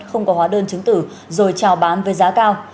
không có hóa đơn chứng tử rồi trào bán với giá cao